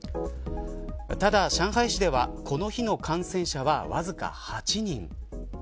ただ上海市ではこの日の感染者はわずか８人。